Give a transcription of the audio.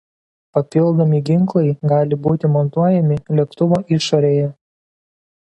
Papildomi ginklai gali būti montuojami lėktuvo išorėje.